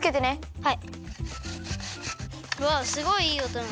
はい。